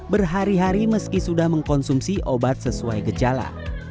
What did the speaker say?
berhari hari meski sudah mengkonsumsi obat sesuai gejala